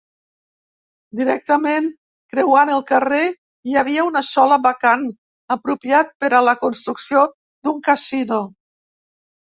Directament creuant el carrer hi havia un solar vacant, apropiat per la construcció d'un Casino.